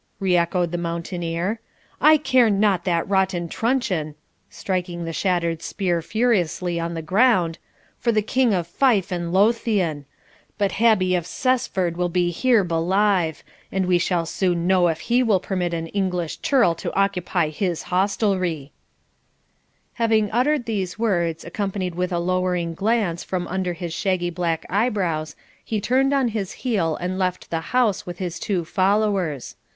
re echoed the mountaineer. 'I care not that rotten truncheon (striking the shattered spear furiously on the ground) for the King of Fife and Lothian. But Habby of Cessford will be here belive; and we shall soon know if he will permit an English churl to occupy his hostelrie.' Having uttered these words, accompanied with a lowering glance from under his shaggy black eyebrows, he turned on his heel and left the house with his two followers.